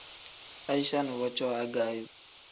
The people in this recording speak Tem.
Aicha nuvo cooo agaayo.